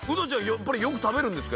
やっぱりよく食べるんですか？